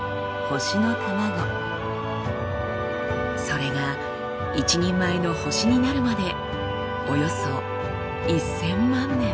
それが一人前の星になるまでおよそ１，０００万年。